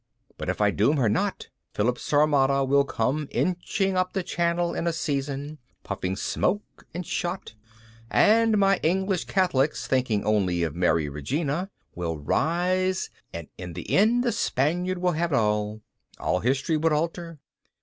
But if I doom her not, Philip's armada will come inching up the Channel in a season, puffing smoke and shot, and my English Catholics, thinking only of Mary Regina, will rise and i' the end the Spaniard will have all. All history would alter.